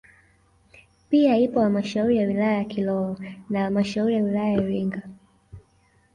Pia ipo halmashauri ya wilaya ya Kilolo na halmashauri ya wilaya ya Iringa